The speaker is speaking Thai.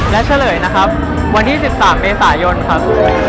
และเฉลยนะครับวันที่๑๓เมษายนครับ